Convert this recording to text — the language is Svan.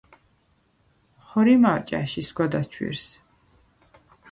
ხორიმა̄ ჭა̈შ ისგვა დაჩვირს?